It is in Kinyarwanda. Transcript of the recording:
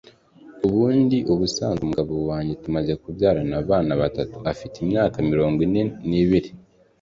Ubundi ubusanzwe umugabo wanjye tumaze kubyarana abana batatu afite imyaka mirongo ine n’ibiri